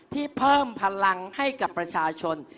ที่เพิ่มพลังให้กับประชาชน